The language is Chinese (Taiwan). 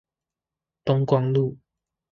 東光路